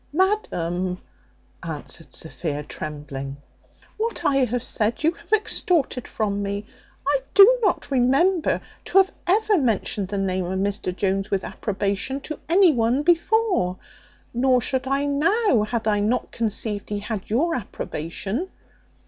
"Madam," answered Sophia, trembling, "what I have said you have extorted from me. I do not remember to have ever mentioned the name of Mr Jones with approbation to any one before; nor should I now had I not conceived he had your approbation.